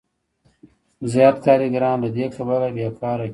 زیات کارګران له دې کبله بېکاره کېږي